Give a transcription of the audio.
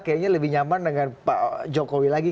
kayaknya lebih nyaman dengan pak jokowi lagi